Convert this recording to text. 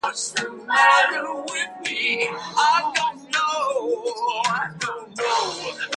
Laurens is the oldest community in the town.